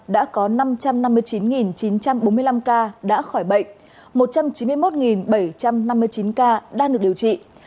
đã có năm trăm năm mươi chín chín trăm bốn mươi năm ca đã khỏi bệnh một trăm chín mươi một bảy trăm năm mươi chín ca đang được điều trị